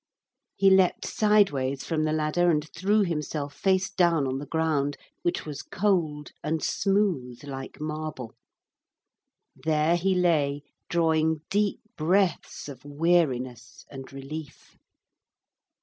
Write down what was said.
He leaped sideways from the ladder and threw himself face down on the ground, which was cold and smooth like marble. There he lay, drawing deep breaths of weariness and relief.